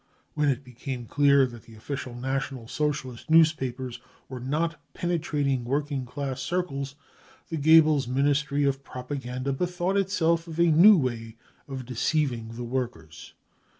When it became clear that the official National Socialist newspapers were not pene trating working class circles, the Goebbels Ministry of Propaganda bethought itself of a new way of deceiving the workers.